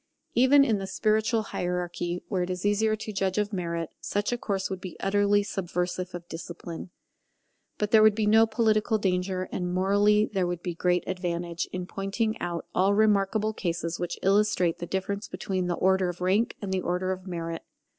Even in the spiritual hierarchy, where it is easier to judge of merit, such a course would be utterly subversive of discipline. But there would be no political danger, and morally there would be great advantage, in pointing out all remarkable cases which illustrate the difference between the order of rank and the order of merit.